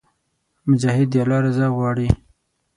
مجاهد د الله رضا غواړي.